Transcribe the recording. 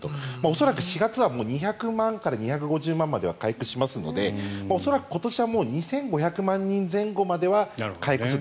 恐らく、４月は２００万から２５０万までは回復しますので恐らく今年は２５００万人前後までは回復する。